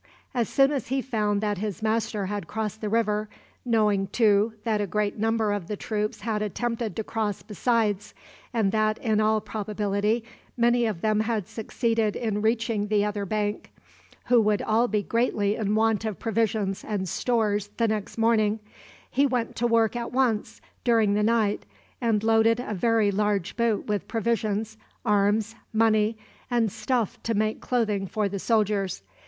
As soon as he found that his master had crossed the river, knowing, too, that a great number of the troops had attempted to cross besides, and that, in all probability, many of them had succeeded in reaching the other bank, who would all be greatly in want of provisions and stores the next morning, he went to work at once, during the night, and loaded a very large boat with provisions, arms, money, and stuff to make clothing for the soldiers.